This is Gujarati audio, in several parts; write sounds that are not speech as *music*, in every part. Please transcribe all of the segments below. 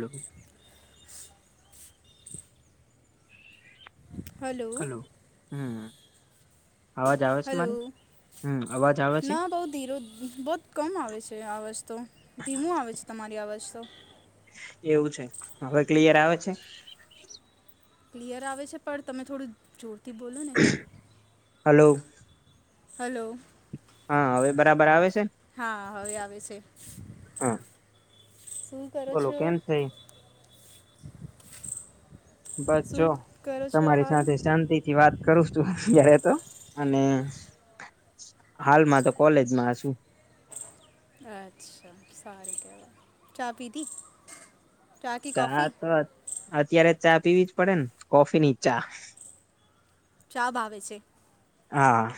હ હલો હમ અવાજ આવે છે મારે હમ અવાજ આવે છે બઉુીરો બહત કમ આવે છે આવાજ તો ધીમું આવે છે તમારી આવાજ તો એવું છે હવે ક્લિયર આવે છે. ક્લિયર આવે છે પણ તમે થોડું જોરથી બોલો ને હલો હલો હા હવે બરાબર આવે છે હા હવે આવે છે હા સુ બોલો કેમ છે. બસ છો શું કરો છો તમારી હાલ સાથે શાંતિથી વાત કરું છું અત્યારે તો અને હાલમાં તો કોલેજમાં છુ. અચ્છા સારી કેવા ચા પીતી ચા તો અત્યારે ચા પીવી જ પડે ને કોફી ની ચા ચા ભ આવે છે. હા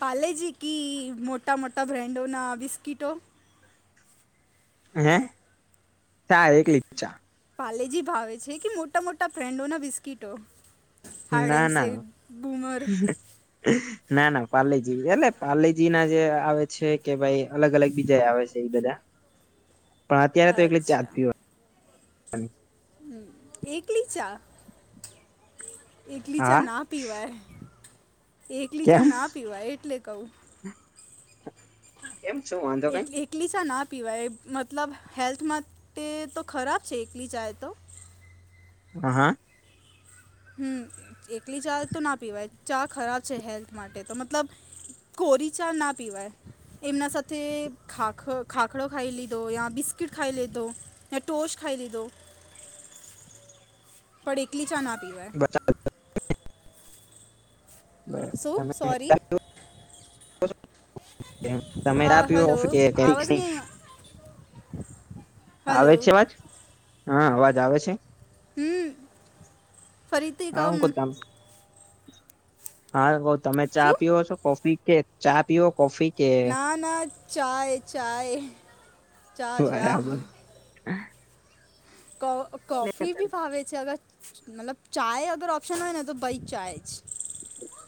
પાલેજી ક મોટા મોટા બ્રાન્ડોના બિસ્કીિટો હે ચાર એક લીપચા પાલેજી ભાવે છે, કે મોટા મોટા ફ્રેન્ડો ના બિસ્કીટો હાડેસે બૂમર હમ ના ના પાલેજી એટલે પાલેજી ના જે આવે છે કે ભાઈ અલગ અલગ બીજા આવે છે એ બધા પણ અત્યારે તો એકલી ચા જ અચ્છા પીવા હ એકલી ચા એકલી ચા હા ના પીવાય એકલી ચા કેમ ના પીવાય એટલે કહુ. કેમ છું વાંધો કઈ એટલે એકલી ચા ના પીવાય મતલબ હેલ્થ માટે તો ખરાબ છે, એકલી ચા તો હ હા હમ એકલી ચા તો ના પીવાય ચા ખરાબ છે, હેલ્થ માટે તો મતલબ કોરી ચા ના પીવાય એમના સાથે ખાખ ખાખડો ખાઈ લીધો યા બિસ્કીટ ખાઈ લીધો ટોચ ખાઈ દીધો પણ એકલી ચા ના પી હોય. અ સું સોરી તમે હા ચા પીવો હલો કોફી આવાજ નહી. *inaudible* આવે છે અવાજ હા અવાજ આવે છે. હમ ફરીથી હ હું કમ કરતામ હા બ તમે ચા શું પીઓ છો, કોફી કે ચા પીવ કોફી કે ના ના ચા ચા ચા ચા બરાબર કો કફી ભી પાવે છે, અગર મતલબ ચાય અગર ઓપ્શન હોય, ને તો બઈ ચાય છે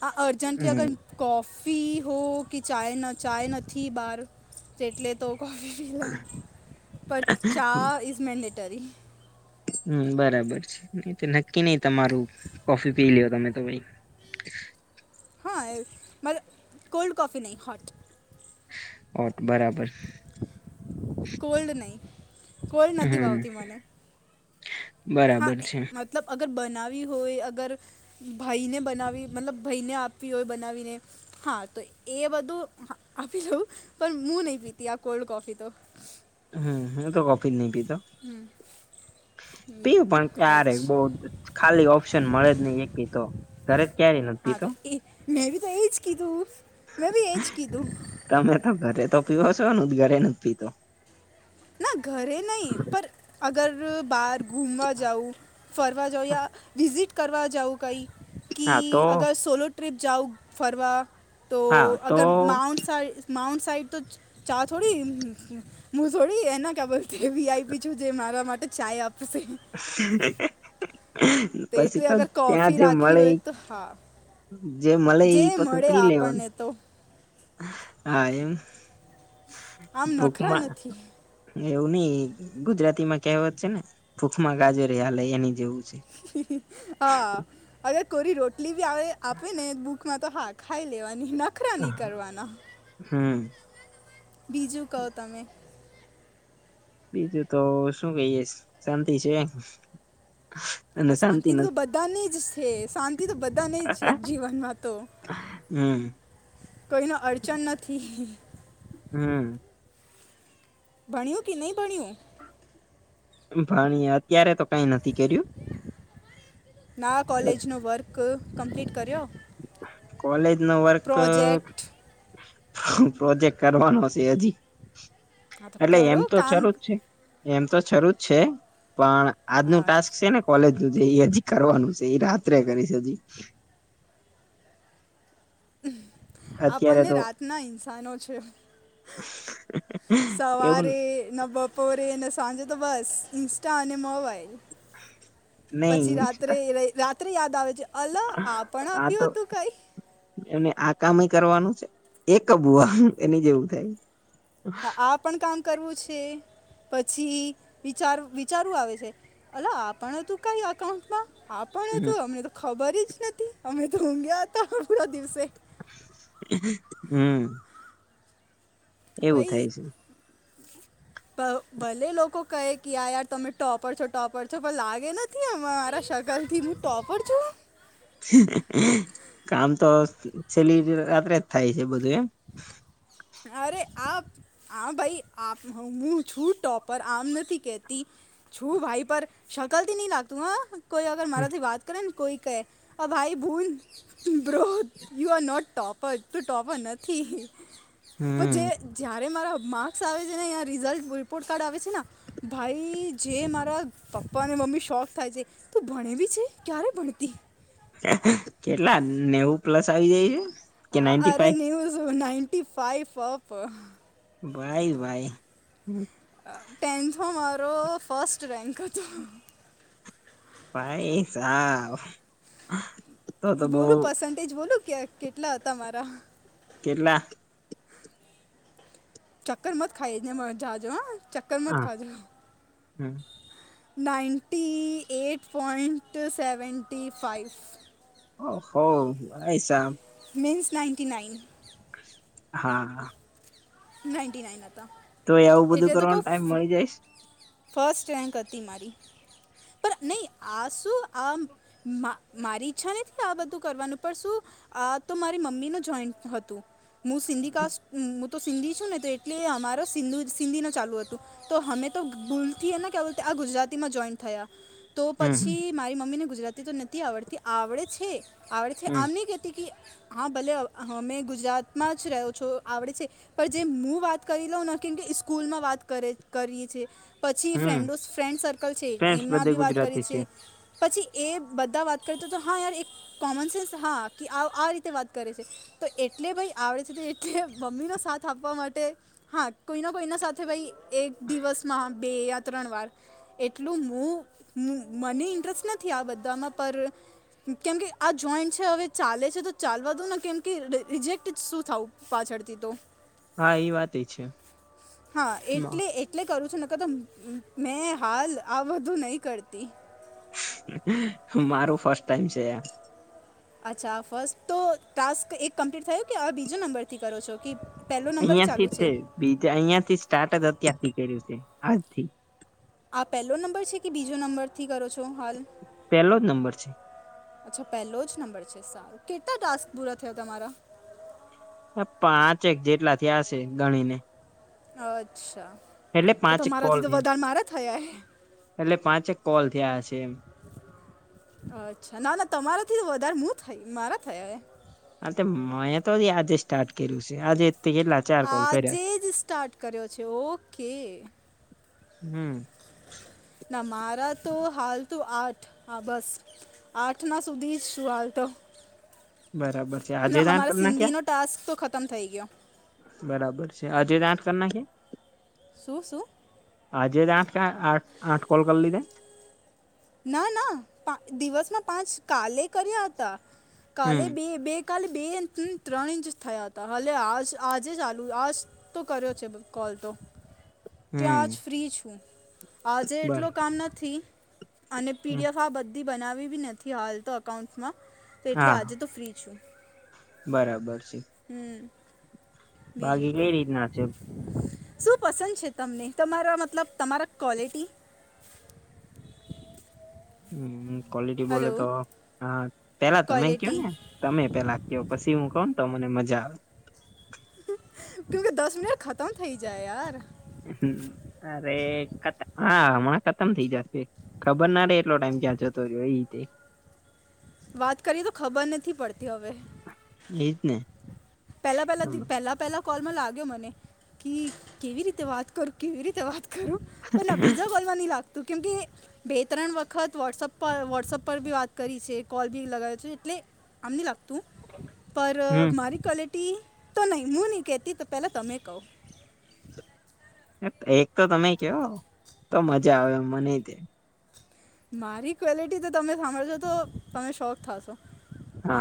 હ અર્જેન્ન્ટલી અગર હમ કોફી હો કે ચાય ચાય નથી બહાર જેટલે તો કફી પી લ પર ચા ઇઝ મેન્ડેટરી હમ બરાબર છે, ન તો નક્કી નહ તમારું કોફી પી લ તમે તો ભાઈ હા એ મરા કોલ્ડ કોફી નહીં હ હોટ ઓ બરાબર કોલ્ડ નહી કોલ્ડ નથી હમ વાવતી મને હા બરાબર છે મતલબ અગર બનાવી હોય, અગર ભાઈને બનાવી, મતલબ ભાઈને આપવી હોય બનાવીને હા તો એ બધું આપી દઉું પણ હું નહી પીતી આ કોલ્ડ કોફી તો હમ હું તો કોફીર નહી પીતો હમ. પીયુ પણ ક્યારે બહુ ખાલી ઓપ્શન મળે જ નહી એક પી તો તરે જ ક્યારેય નથી, હા પીતો તો એ મેં બી તો એજ કીધું મેં બી એજ કીધું તમે તો ઘરે તો પીવ છો ન જ ઘરે ન જ પીતો ના ઘરે નહી, પર અગર બાર ઘૂમવા જાઉં ફરવા જાઉં યા વિઝિટ કરવા જાઉં કંઈ. કે હા તો અગર સોલો ટ્રિપ જાઓ ફરવા તો હા તો અગર માાઉન્ટ માઉન્ટ સાઈડ તો ચા થોડી થોડી એના ખબરથીવી આઈ પી છું જે મારા માટે ચાય આપશે. પછી એટલે તો અગર ત્યાં કોફી જે રાખી મળે ઇ હોય તો હા જે મલા જે એ પછ મળે પી લેવા. આપણને તો હા એમ આમ નખરા ભૂકમાં નથી એવું નઈ ગુજરાતીમાં કહેવત છે ને, ભૂખમાં ગાજરે હાલે એની જેવું. છે હા અગર કોરી રોટલી બી આવે આપે ને ભૂખમાં તો હાક ખાઈ લેવાની નખરા ની કરવાના. હમ બીજું કહો તમે. બીજું તો શું કહીએે શાંતિ છે. હ અને શાંતિ તો નથી બધાને જ છે શાંતિ તો બધાને જ છે જીવનમાં તો હમ. કોઈ નો અડચણ નથી. હમ ભણ્યું કે નહીં ભણ્યું. ભણી અત્યારે તો કઈ નથી કર્યું. ના કોલેજનો વર્ક કમ્પ્લીટ કર્યો. કોલેજ નો વર્ક પ્રોજેક્ટ પ્રોજેક્ટ કરવાનો હશે હજી હા તો એટલે એમ કરો તો કામ ચરૂ જ છે. એમ તો શરૂ જ છે પણ આજનું હા ટાસ્ક જ. છે ને કોલેજ નું છે એ હજી કરવાનું છે એ રાત્રે કરી છે હજી. અત્યારે આપણને તો રાતના ઇન્સાનો છે. એવું સવારે ન બપ બપોરે ને સાંજે તો બસ ઇન્સ્ટા અને મોબાઈલ. નહી પછી રાત્રે રાત્રે યાદ આવે છે. અલ આ પણ આપ્યું હતું કઈ. અનેને આ કામ એ કરવાનું છે એક બુ આ એની જેવું થાય. આ પણ કામ કરવું છે. પછી વિચાર વિચારવું આવે છે અલા આપણ હતું કઈ અકાઉન્ટમાં આપણે તો અમને તો ખબર જ નથી અમે તો ઊંઘ્યા હતા પણ પૂરા દિવસે હમ. એવું થાય વહી. છે ભલે લોકો કહે કે યાર યાર તમે ટોપર છો ટોપર છો પણ લાગે ન ત્યાં મારા શકલ થી હું ટોપર છું. કામ તો છેલ્લી રાત્રે જ થાય છે બધું એમ અરે આપ હા ભાઈ આપ હું છું ટોપર આમ નથી કેતી. છું ભાઈ પર શકલ થી નહી લાગતું હ કોઈ અગર એમ મારાથી વાત કરે ને કોઈ કહે ભાઈ ભૂલ bro you are not topper તુ ટોપર નથી. ઠી હ પણ હમ જે જ્યારે મારા માર્ક્સ આવે છે નેહીં રિઝલ્ટ રિપોર્ટ કાર્ડ આવે છે ને ભાઈ જે મારા પપ્પા અને મમ્મી શોક થાય છે. તું ભણે બી છે ક્યારે ભણતી કેટલા નેવું પ્લસ આવી જાય છે. હ કે નાઈન્ટી અરે ફાઈવ ન્યુઝ નઇન્ટ ફાઈફ અપ. ભાઈ ભાઈ. ટેન્થમાં મારો ફર્સ્ટ રેન્ક હતો ભાઈ સા બોલ પર્સન્ટેજ બોલ કેટલા હતા મારા કેટલા ચક્કર મત ખાઈ મ જાજો હા ચક્કર મત હા ખાજો હમ. Ninety eight point seventy five ઓ હો હશ મીન્સ નાઇન્ટટી નાઇન હા નાઇન્ટી નાઇન આ હતા તો આવવું બધું કરવાનો ટાઈઇમ મળી જાયશ ફસ્ટ રેન્ક હતી મારી પણ નહીં આ શું આ મારી ઈચ્છા નથી આ બધું કરવાનું પણ શું આ તો મારી મમ્મી ન જોઈન્ટ હતું હું સિંધ ક તો સિંધી છું ને, તો એટલે અમારે સિંધી ના ચાલુ હતું. તો અમે તો ભૂલથીએને કે બોલ આ ગુજરાતીમાં જોઈન થયા તો હમ પછી મારી મમ્મીને ગુજરાતી તો નથી આવડતી આવડે છે આવડે છે હમ આમ નહી કતી કે હા ભલે અમે ગુજરાતમાં જ રહ્યો છો આવડે છે પણ જે હું વાત કરી લઉં ના કેમ કે સ્કૂલમાં વાત કરે કરીએ છ છે પછી હમ ફ્રેન્ડો ફ્રેન્ડ સર્કલ છે ફ્રેન્ડસ એમના બધે બી વાત કરે ગુજરાતી છે પછી એ બધા વાત કરએ તો તો હા યાર એક કોમન સેન્સ હા કે આ રીતે વાત કરે છે તો એટલે ભાઈ આવડે છે તો એટલે મમ્મી ન સા સ્ાપવા માટે હા કોઈ ના કોઈના સાથે ભાઈ એક દિવસમાં બે યા ત્રણ વાર એટલું હું મને ઇન્ટરેસ્ટ નથી આ બધામાં પર કેમ કે આ જોઈન્ટ છે હવે ચાલે છે તો ચાલવા દઉ ને કેમ કે રિજેક્ટ શું થાવું પાછળથી તો હા એ વાત છે હા એટલે એટલે કરું છું નકતો મેં હાલ મારું ફર્સ્ટ ટાઈમ છે અચ્છા ફર્સ્ટ તો ટાસ્ક એક કમ્પ્લીટ થયયો કે હ બીજો નંબરથી કરો છો કે પહેલો નંબર ય અહિયાં થી ચાલુ છે બીજા અહિયાંથી સ્ટાર્ટ જ અત્યારથી કર્યું છે આજથી આ પહેલો નંબર છે કે બીજો નંબર થી કરો છો હાલ પેલો જ નંબર છે અચ્છા પહેલો જ નંબર છે સારો કેટલા ટાસ્ક પૂરા થયા તમારા પાંચેક જેટલા થી હશે ગણી ને અચ્છા તો તો પાંચેક કોલ મારાથી તો થયા વધારે મારા થયા હે એટલે પાંચેક કોલ થયા હશે એમ અચ્છા ના ના તમારા થી વધારે મુું થઈ મારા થયા એ અા મેં તો આજે સ્ટાર્ટ કર્યું છે આજે કેલા આજે જ સ્ટાર્ટ કર્યો છે ઓકે હમ ના મારા તો હાલ તો આઠ હા બસ આઠના સુધી જ શું હાલતો બરાબર છે આજે જાણ કર ના ક્યાં સિંધીનો ટાસ્ક તો ખતમ થઈ ગયો બરાબર છે આજ ત આઠ કર નાખ શું શું આજે આઠ આઠ આઠ કોલ કરી લીધે ના ના પા દિવસમાં પાંચ કાલે કર્યા હતા કાલે હમ બે બે કાલે બે ઇંચ ત્રણ ઇંચ થયા હતા હ આ આજે ચાલુ આ તો કર્યો છે કોલ તો કે આજ હમ ફ્રી છું આજે બર એટલો કામ નથી અને પીડીએફ આ બધી બનાવી બી નથી હાલ તો અકાઉન્ટ્સમાં એટલે હા આજે તો ફ્રી છું બરાબર છે હમ બીજું બાકી ક કઈ રીતના છે શું પસંદ છે તમને તમારા મતલબ તમારા ક્વૉલિટી હમ ક્વલિટી બોલે હલો તો હ પેલા તમે કયો ક્વોલિટી ને તમે પેલા કયો પછી હું કોણ તો મને મજા આવે કેમકે દસ મિનટ ખતમ થઇ જાય યાર હ અરે ખત હા હમણાં ખતમ થઇ જશે ખબર ના રે એટલો ટાઈમ ક્યાં જતો રહ્યો એ રીતે વાત કરીએ તો ખબર નથી પડતી હવે એ જ ને પહેલા પહેલા પહેલા પહેલા કોલમાં લાગ્યો મને કે કેવી રીતે વાત કરું કેવી રીતે વાત કરું ના બીજા બોલવા નહી લાગતું કેમ કે બે ત્રણ વખત વોટ્સપ પર વોટ્સઅપ પર બી વાત કરી છે કોલ બી લગાવ્યો છે એટલે આમને લાગતું પર હમ મારી ક્વલિટી તો નહી હું નહી કહેતી તો પેલા તમે કહો એક તો તમે કહ તો મજા આવેમ મને તે મારી ક્વલિટી તો તમે સાંભળજો તો તમે શોખ થશો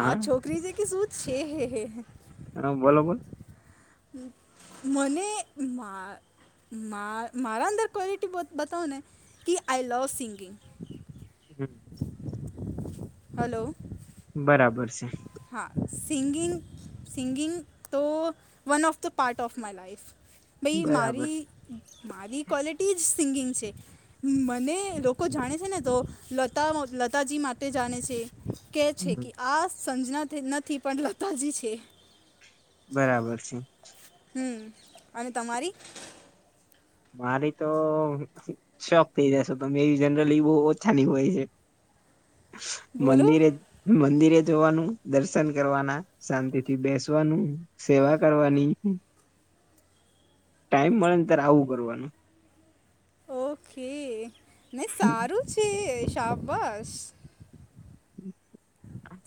આ છોકરી ત્રીજે કે સુૂદ છે હે હ હા બોલો બોલ મને મા મા મારા અંદર ક્વલિટી બ બતાવને કે આઈ લવ સિંગિંગ હમ હલો બરાબર છે હા સિંગિંગ સિંગિંગ તો one of the part of my life ભાઈ બરાબર મારી છે. મારી ક્વોલિટી જ સિંગિંગ છે મને લોકો જાણે છે ને તો લતા લતાજી માટે જાણે છે કે છે હમ, કે આ સંજના નથી પણ લતાજી છે બરાબર છે હમ અને તમારી મારી તો શોખ થઈ જશો તમે એવી જનરલી બહ ઓછાની હોય છે *inaudible* બોલો મંદિરે એ મંદિરે જોવાનું દર્શન કરવાના શાંતિ થી બેસવાનું સેવા કરવાની ટાઈમ મળે ને ત્યારે આવું કરવાનું ઓકે ને સારું છે શાપ બસ હમ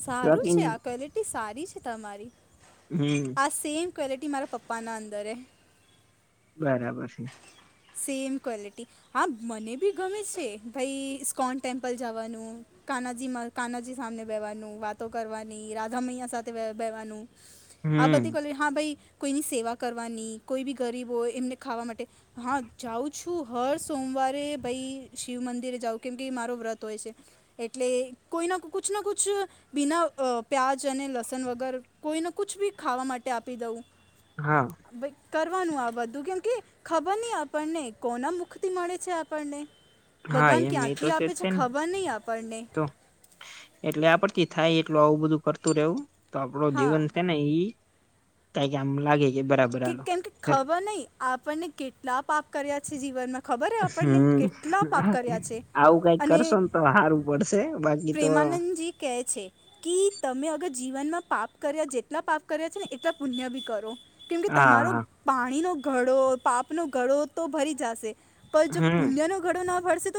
સારું છે આ ક્વલિટી સારી છે તમારી હમ આ સેમ ક્વૉલિટી મારા પપ્પાના અંદર બરાબર છે. સેમ ક્વોલિટી હા મને બી ગમે છે ભાઈ ઇસ્કોન ટેમ્પલ જવાનું કાનાજી કાનાજી સામને બેવાનું કરવાની રાધા મૈયા સાથેવાનું આ હમ બધીલે હા ભાઈ કોઈની સેવા કરવાની કોઈ બી ગરીબ હોય એમને ખાવા માટે હા જાઉં છું હર સોમવારે ભાઈ શિવ મંદિરે જાઉં કેમ કે મારો વ્રત હોય છે એટલે કોઈના ના કુછ ના કુછ બીના પ્યાજ અને લસણ વગર કોઈને કુછ બી ખાવા માટે આપી દઉં. હા. કરવાનું આ બધું કેમ કે ખબર નહી આપણને કોના મુખથી મળે છે આપણને. હા ભગવાન એમ એ તો ક્યાંથી આપે જ છે તે ને ખબર નહી આપણને. તો એટલે આ પરથી થાય એટલ આવું બધું કરતું રહેવું તો આપણું હા જીવન છે ને. એ તઇ આમ લાગે. બરાબર કે હાલો કેમ કે ખબર નહિ આપણને કેટલા પાપ કર્યા છે જીવનમાં. ખબર છે આપણને હમ કેટલા પાપ કર્યા છે આવું કઈક અને કરશો ન તો સારું પડશે બાકી તો પ્રેમાનંદજી કહે છે. કી તમે અગર જીવનમાં પાપ કર્યા જેટલા પાપ કર્યા છે ને એટલા પુણ્ય બી કરો. કેમ કે હા તમારો હા પાણીનો ઘડો પાપનો ઘડો તો ભરી જશે. પણ જો હમ પુણ્ય નો ઘડો ના ભરશે તો